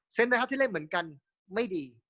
เซ็นเตอร์ฮัฟที่เล่นเหมือนกันไม่ดี